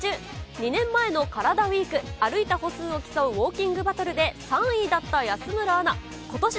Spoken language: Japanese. ２年前のカラダＷＥＥＫ、歩いた歩数を競うウォーキングバトルで３位だった安村アナ。